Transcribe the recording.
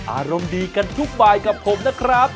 อารมณ์ดีกันทุกบายกับผมนะครับ